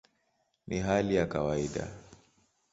Ni hali ya kawaida".